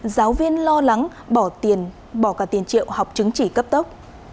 giáo viên lo lắng bỏ cả tiền triệu học chứng chỉ cấp tốc